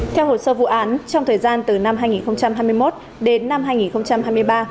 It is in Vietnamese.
theo hồ sơ vụ án trong thời gian từ năm hai nghìn hai mươi một đến năm hai nghìn hai mươi ba